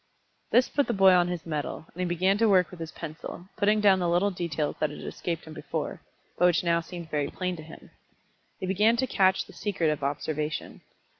This put the boy on his mettle, and he began to work with his pencil, putting down little details that had escaped him before, but which now seemed very plain to him. He began to catch the secret of observation.